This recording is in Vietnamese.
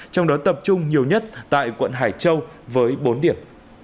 trong đó tập trung nhiều nhất tại quận hải châu với bốn điểm